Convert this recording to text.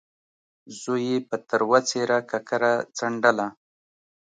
زوی يې په تروه څېره ککره څنډله.